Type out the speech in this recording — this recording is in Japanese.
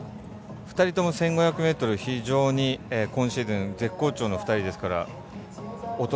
２人とも１５００ｍ非常に今シーズン絶好調の２人ですから。